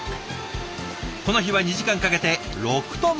この日は２時間かけて６トン分。